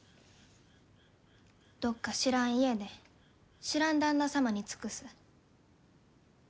どっか知らん家で知らん旦那様に尽くす。